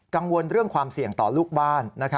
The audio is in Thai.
กังวลเรื่องความเสี่ยงต่อลูกบ้าน